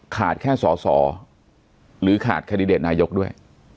ขาดแค่สอหรือขาดคันดิเดตนายกด้วย